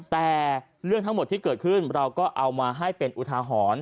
แต่เรื่องทั้งหมดที่เกิดขึ้นเราก็เอามาให้เป็นอุทาหรณ์